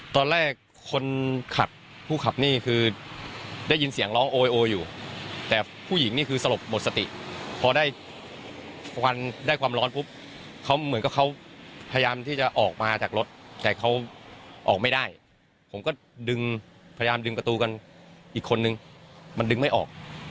ตอนแรกคนขับผู้ขับนี่คือได้ยินเสียงร้องโอยโออยู่แต่ผู้หญิงนี่คือสลบหมดสติพอได้ควันได้ความร้อนปุ๊บเขาเหมือนกับเขาพยายามที่จะออกมาจากรถแต่เขาออกไม่ได้ผมก็ดึงพยายามดึงประตูกันอีกคนนึงมันดึงไม่ออก